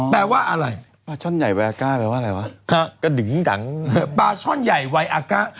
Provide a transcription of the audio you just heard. อ๋อแปลว่าอะไรปลาช่อนใหญ่วัยอากาแปลว่าอะไรวะค่ะก็ดึงดังปลาช่อนใหญ่วัยอากา